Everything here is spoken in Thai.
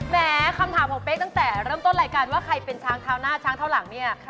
แม้คำถามของเป๊กตั้งแต่เริ่มต้นรายการว่าใครเป็นช้างเท้าหน้าช้างเท้าหลังเนี่ย